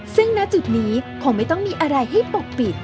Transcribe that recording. ซึ่งณจุดนี้คงไม่ต้องมีอะไรให้ปกปิด